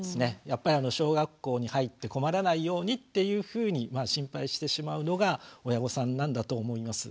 やっぱり小学校に入って困らないようにっていうふうに心配してしまうのが親御さんなんだと思います。